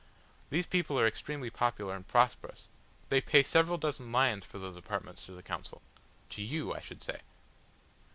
These people are extremely popular and prosperous. They pay several dozen lions for those apartments to the Council to you, I should say."